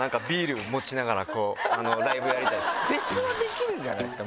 フェスはできるんじゃないですか？